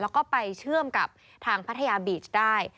แล้วก็ไปเชื่อมกับทางพัทยาบีชได้